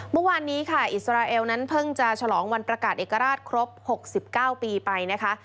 เมื่อวานนี้ค่ะอิสราเอลนั้นเพิ่งจะฉลองวันประกาศเอกราชครบ๖๙ปีไปนะคะ